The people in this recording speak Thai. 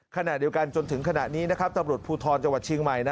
ขณะเดียวกันจนถึงขณะนี้ตำรวจภูทรจังหวัดเชียงใหม่